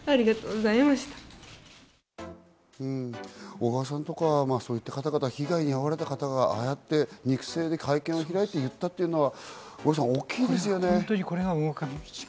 小川さんとか、そういった方々、被害に遭われた方々が、ああやって肉声で会見を開いていったというのは大きいですね、五郎さん。